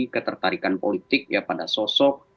ketertarikan politik ya pada sosok